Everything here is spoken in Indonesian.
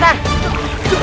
iya aku tahu kok